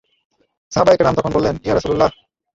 সাহাবায়ে কেরাম তখন বললেন, ইয়া রাসূলাল্লাহ!